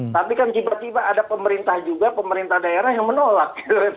tapi kan tiba tiba ada pemerintah juga pemerintah daerah yang menolak